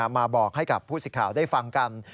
มาบอกให้กับผู้สิทธิ์ข่าวได้ฟังกัน